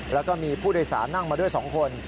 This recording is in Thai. แล้วก็มีผู้โดยสารนั่งมาด้วย๒คน